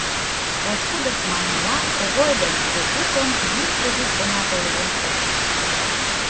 Пошкудышт манмыла, Когой ден Пӧтукым йӱштӧ вӱд денат ойырен от керт.